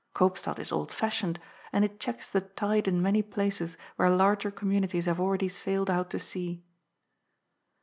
Koopstad is old fashioned, and it checks the tide in many places where larger communities have already sailed out to sea.